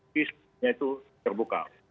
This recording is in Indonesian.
bukan itu terbuka